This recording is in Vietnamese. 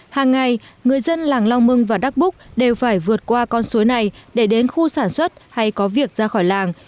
hàng ngày người dân làng long và đắc búc đều phải vượt qua con suối này để đến khu sản xuất hay có việc ra khỏi làng